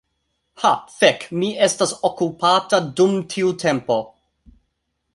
"Ha fek' mi estas okupata dum tiu tempo"